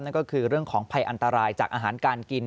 นั่นก็คือเรื่องของภัยอันตรายจากอาหารการกิน